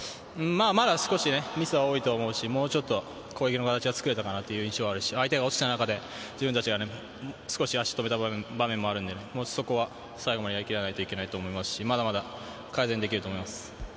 まだ少しミスが多いと思うし、攻撃の形は作れたかなという印象はありますけど、自分たちが足を止めた部分もあるので、最後までやりきらないといけないと思いますし、まだまだ改善できると思います。